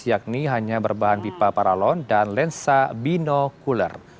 yakni hanya berbahan pipa paralon dan lensa binokuler